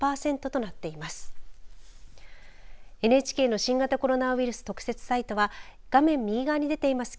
ＮＨＫの新型コロナウイルス特設サイトは画面右側に出ています